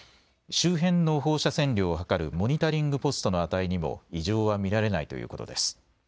周辺の放射線量を計るモニタリングポストの値にも異常は見られないということです。